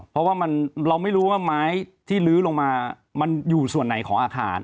เพราะว่าเราไม่รู้ว่าไม้ที่ลื้อลงมามันอยู่ส่วนไหนของอาคาร